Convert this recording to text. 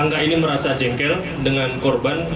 angga ini merasa jengkel dengan korban